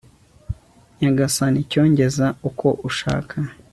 nyagasani cyo ngeza uko ushaka